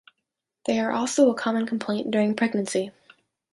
They are also a common complaint during pregnancy.